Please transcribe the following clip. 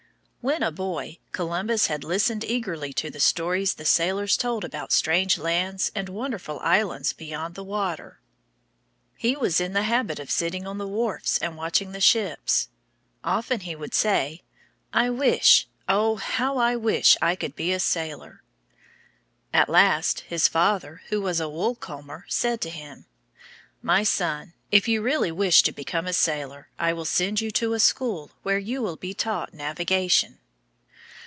When a boy, Columbus had listened eagerly to the stories the sailors told about strange lands and wonderful islands beyond the water. He was in the habit of sitting on the wharves and watching the ships. Often he would say, "I wish, oh, how I wish I could be a sailor!" At last his father, who was a wool comber, said to him, "My son, if you really wish to become a sailor, I will send you to a school where you will be taught navigation."